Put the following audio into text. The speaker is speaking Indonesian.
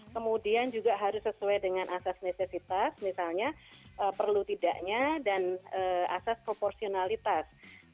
kemudian juga harus sesuai dengan asas necesitas misalnya perlu tidaknya dan asas proporsionalitas